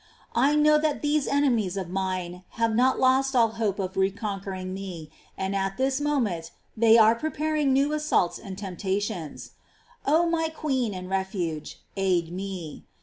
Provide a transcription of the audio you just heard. I know that these enemies of mine have not lost all hope of reconquering me, and at this moment they are preparing new assaults and temptations. Oh, my queen and refuge, aid me.